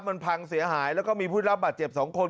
มันพังเสียหายแล้วก็มีผู้รับบาดเจ็บ๒คน